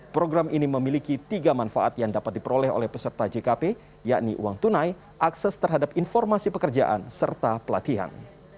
program ini memiliki tiga manfaat yang dapat diperoleh oleh peserta jkp yakni uang tunai akses terhadap informasi pekerjaan serta pelatihan